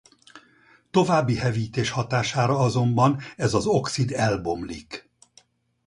További hevítés hatására azonban ez az oxid elbomlik.